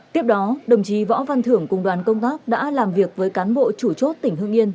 tiếp đó đồng chí võ văn thưởng cùng đoàn công tác đã làm việc với cán bộ chủ chốt tỉnh hương yên